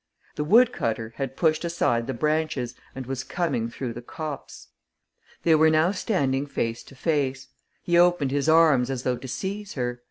The woodcutter had pushed aside the branches and was coming through the copse. They were now standing face to face. He opened his arms as though to seize her.